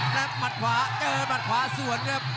และหมัดขวาเจอหมัดขวาสวนครับ